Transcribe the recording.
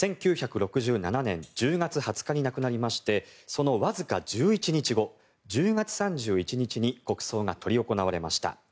１９６７年１０月２０日に亡くなりましてそのわずか１１日後１０月３１日に国葬が執り行われました。